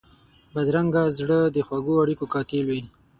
بدرنګه زړه د خوږو اړیکو قاتل وي